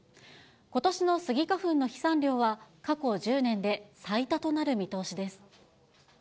ことしのスギ花粉の飛散量は過去１０年で最多となる見通しです。